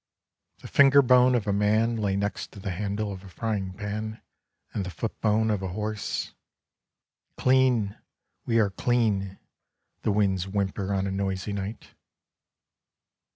The fingerbone of a man lay next to the handle of a frying pan and the footbone of a horse. " Clean, we are clean," the winds whimper on a noisy night.